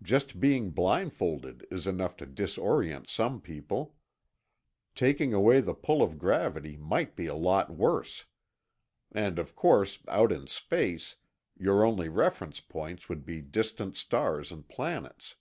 just being blindfolded is enough to disorient some people. Taking away the pull of gravity might be a lot worse. And of course out in space your only reference points would be distant stars and planets.